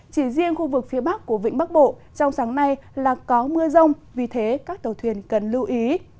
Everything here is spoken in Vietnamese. chỉ riêng khu vực phía bắc của vĩnh bắc bộ trong sáng nay là có mưa rông vì thế các tàu thuyền cần lưu ý